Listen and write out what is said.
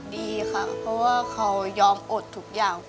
ดีค่ะเพราะว่าเขายอมอดทุกอย่าง